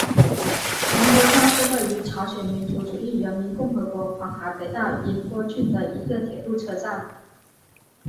银波站是位于朝鲜民主主义人民共和国黄海北道银波郡的一个铁路车站。